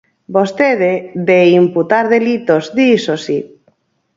Vostede, de imputar delitos, diso si.